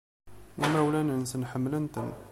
Imawlan-nsent ḥemmlen-ten.